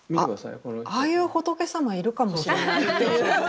ああいう仏様いるかもしれない。